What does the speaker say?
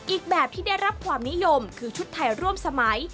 อีกแบบที่ได้รับความนิยมคือชุดไทยร่วมสมัย